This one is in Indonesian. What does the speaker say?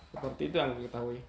seperti itu yang kita tahu